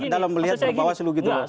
dalam melihat pak perbawaslu gitu